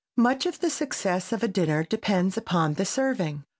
Much of the success of a dinner depends upon the serving.